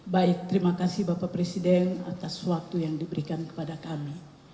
baik terima kasih bapak presiden atas waktu yang diberikan kepada kami